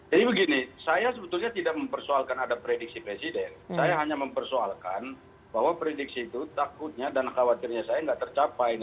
jadi begini saya sebetulnya tidak mempersoalkan ada prediksi presiden saya hanya mempersoalkan bahwa prediksi itu takutnya dan khawatirnya saya tidak tercapai